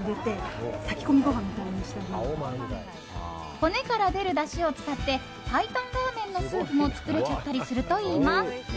骨から出るだしを使って白湯ラーメンのスープも作れちゃったりするといいます。